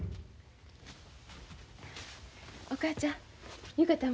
お母ちゃん浴衣